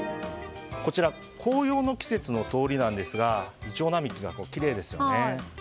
こちら、紅葉の季節の通りですがイチョウ並木がきれいですよね。